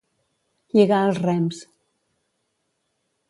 Lligar els rems.